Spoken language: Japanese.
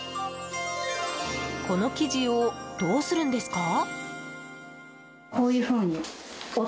この生地をどうするんですか？